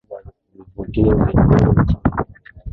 fursa nyingi za vivutio vya bure nchini Uingereza